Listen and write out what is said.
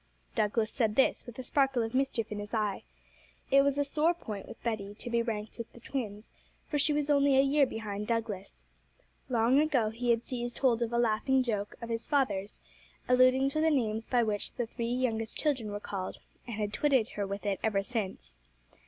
Douglas said this with a sparkle of mischief in his eye. It was a sore point with Betty to be ranked with the twins, for she was only a year behind Douglas. Long ago he had seized hold of a laughing joke of his father's, alluding to the names by which the three youngest children were called, and had twitted her with it ever since.